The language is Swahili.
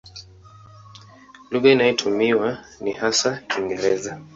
Lugha inayotumiwa ni hasa Kiingereza.